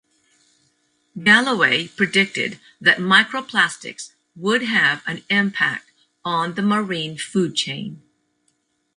Galloway predicted that microplastics would have an impact on the marine food chain.